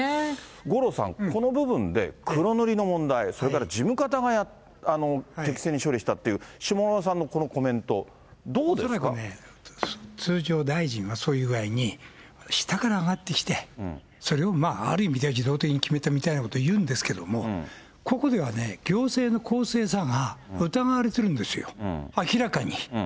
五郎さん、この部分で黒塗りの問題、それから事務方が適正に処理したっていう、下村さんのこのコメン恐らくね、通常、大臣はそういう具合に下から上がってきて、それをある意味では自動的に決めたみたいなことを言うんですけども、ここではね、行政の公正さが疑われてるんですよ、明らかに。